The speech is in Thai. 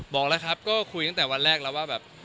บอกแล้วครับก็คุยตั้งแต่วันแรกแล้วว่าแบบ